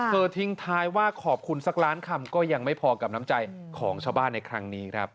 ทิ้งท้ายว่าขอบคุณสักล้านคำก็ยังไม่พอกับน้ำใจของชาวบ้านในครั้งนี้ครับ